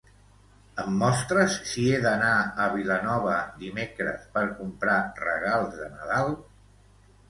Em mostres si he d'anar a Vilanova dimecres per comprar regals de Nadal?